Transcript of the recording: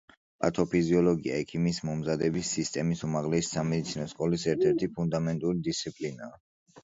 პათოფიზიოლოგია ექიმის მომზადების სისტემის, უმაღლესი სამედიცინო სკოლის ერთ–ერთი ფუნდამენტური დისციპლინაა.